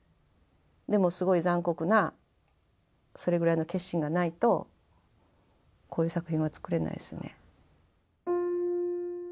でもすごい残酷なそれぐらいの決心がないとこういう作品は作れないですね。